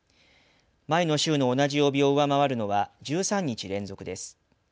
前の週の同じ曜日を上回るのは１３日連続です。